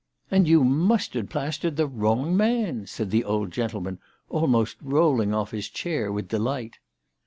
"And you mustard plastered the wrong man !" said the old gentleman, almost rolling off his chair with delight.